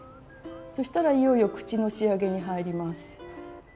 そしたらいよいよ口の仕上げに入ります。